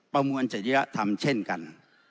ประมวลจริยธรรมเช่นกัน